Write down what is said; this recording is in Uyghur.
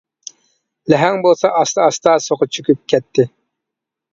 لەھەڭ بولسا ئاستا-ئاستا سۇغا چۆكۈپ كەتتى.